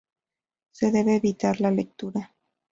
Se debe evitar la lectura.